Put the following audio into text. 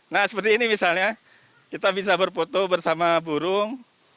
nah seperti ini misalnya kita bisa berfoto bersama burung